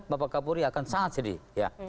bapak kapolri akan sangat sedih ya